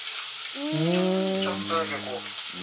ちょっとだけ、こう。